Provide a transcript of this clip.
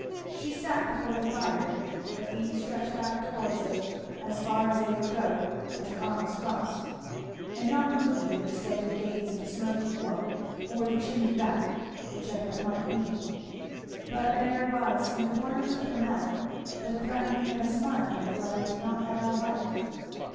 She sat before the fire, her feet stretched out towards it as far as they would go and her arms crossed, and not moving her steady gaze at the smoking wood, or the chimney back, whichever it might be; but there was in the corners of her mouth the threatening of a smile that Fleda did not at all like.